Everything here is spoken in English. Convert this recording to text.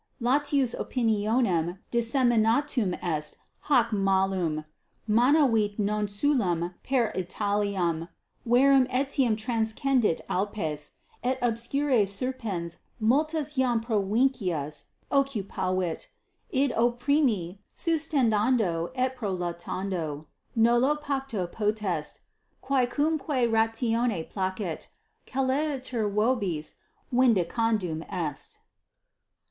Latius opinione disseminatum est hoc malum: manavit non solum per Italiam, verum etiam transcendit Alpes et obscure serpens multas iam provincias occupavit. Id opprimi sustentando et prolatando nullo pacto potest: quacumque ratione placet, celeriter vobis vindicandum est.